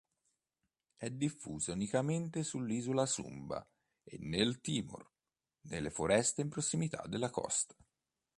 È diffusa unicamente sull'isola Sumba e nel Timor, nelle foreste in prossimità della costa.